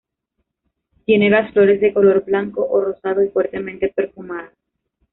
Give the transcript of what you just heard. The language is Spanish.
Tiene las flores de color blanco o rosado y fuertemente perfumadas.